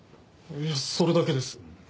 いやそれだけです。